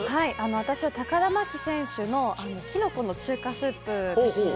私は高田真希選手のキノコの中華料理スープですね。